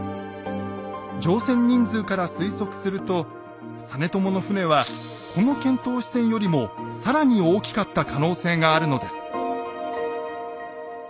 乗船人数から推測すると実朝の船はこの遣唐使船よりもさらに大きかった可能性があるのです。